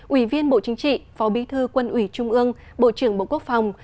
ủy viên bộ chính trị phó bí thư quân ủy trung ương bộ trưởng bộ quốc phòng